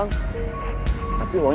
nggak bakal ikut melawan